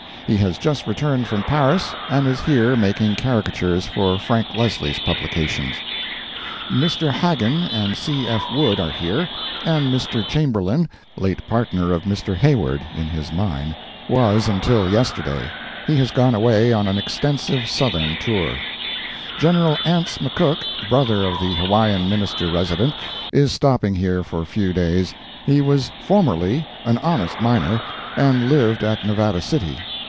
He has just returned from Paris, and is here making caricatures for Frank Leslie's publications. Mr. Haggin and C. F. Wood are here, and Mr. Chamberlain (late partner of Mr. Hayward, in his mine) was until yesterday. He has gone away on an extensive Southern tour. General Ance McCook, brother to the Hawaiian Minister resident, is stopping here for a few days. He was formerly an honest miner, and lived at Nevada City.